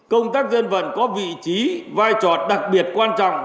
công tác dân vận có vị trí vai trò đặc biệt quan trọng